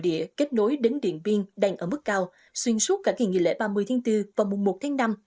địa kết nối đến điện biên đang ở mức cao xuyên suốt cả ngày nghỉ lễ ba mươi tháng bốn và mùa một tháng năm